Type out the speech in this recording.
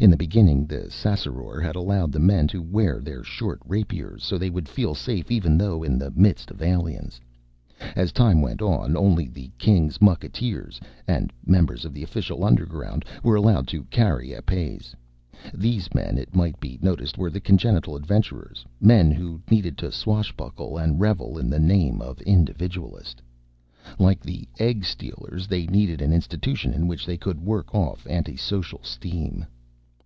In the beginning, the Ssassaror had allowed the Men to wear their short rapiers, so they would feel safe even though in the midst of aliens. As time went on, only the King's mucketeers and members of the official underground were allowed to carry épées. These men, it might be noticed, were the congenital adventurers, men who needed to swashbuckle and revel in the name of individualist. Like the egg stealers, they needed an institution in which they could work off anti social steam.